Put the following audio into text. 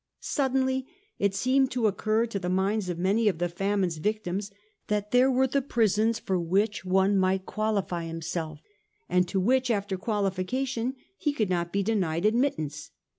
Suddenly it seemed to occur to the minds of many of famine's victims that there were the prisons for which one might qualify himself, and to which, after qualification, he could not be denied admittance.